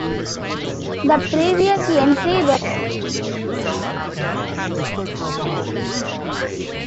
The previous entry referred to Youth allowance and Parenting Payment.